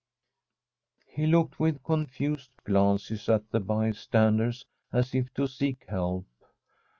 He looked with confused glances at the by standers, as if to seek help.